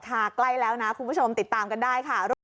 ใกล้แล้วนะคุณผู้ชมติดตามกันได้ค่ะ